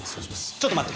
ちょっと待って。